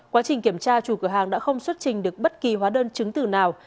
quá trình kiểm tra chủ cửa hàng đã không xuất trình được bất kỳ hóa đơn chứng từ nào